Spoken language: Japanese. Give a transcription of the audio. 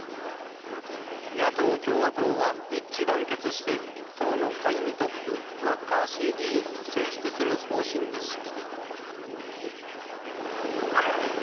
野党・共和党は一致団結して、党の下院トップ、マッカーシー議員を選出する方針でした。